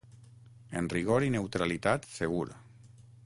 En rigor i neutralitat segur.